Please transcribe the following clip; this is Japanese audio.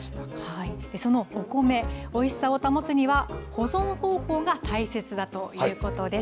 そのお米のおいしさを保つには保存方法が大切だということです。